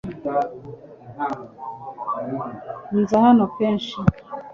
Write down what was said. Nza hano kenshi .